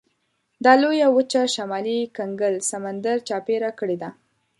دا لویه وچه شمالي کنګل سمندر چاپېره کړې ده.